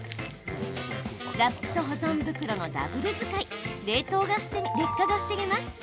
ラップと保存袋のダブル使い劣化が防げます。